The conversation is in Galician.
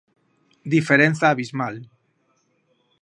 Diferenza abismal.